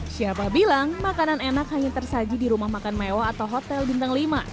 siapa bilang makanan enak hanya tersaji di rumah makan mewah atau hotel bintang lima